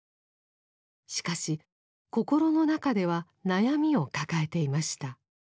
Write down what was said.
しかし心の中では悩みを抱えていました。